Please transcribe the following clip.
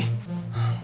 tante jangan lupa